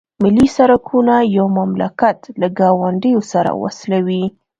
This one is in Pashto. ملي سرکونه یو مملکت له ګاونډیو سره وصلوي